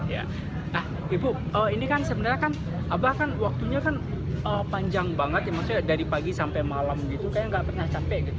nah ibu ini kan sebenarnya kan abah kan waktunya kan panjang banget ya maksudnya dari pagi sampai malam gitu kayaknya nggak pernah capek gitu